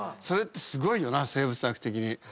それってすごいよな生物学的に。